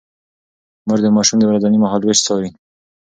مور د ماشوم د ورځني مهالوېش څاري.